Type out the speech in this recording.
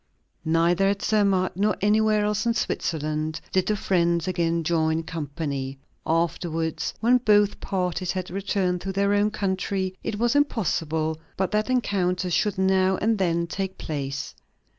Neither at Zermatt nor anywhere else in Switzerland did the friends again join company. Afterwards, when both parties had returned to their own country, it was impossible but that encounters should now and then take place.